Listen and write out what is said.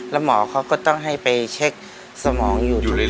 แล้วหมอเขาก็ต้องให้ไปเช็คสมองอยู่เรื่อย